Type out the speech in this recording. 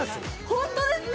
ホントですか！？